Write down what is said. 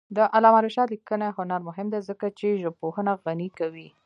د علامه رشاد لیکنی هنر مهم دی ځکه چې ژبپوهنه غني کوي.